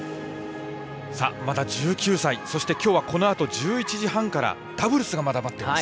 まだ１９歳そしてきょうはこのあと１１時半からダブルスがまだ待っています。